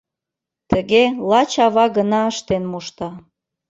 Тыге лач ава гына ыштен мошта.